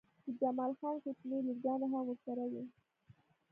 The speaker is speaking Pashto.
د جمال خان کوچنۍ لورګانې هم ورسره وې